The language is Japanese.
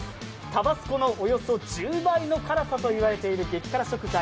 タバスコのおよそ１０倍の辛さと言われている激辛食材